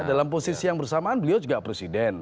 dalam posisi yang bersamaan beliau juga presiden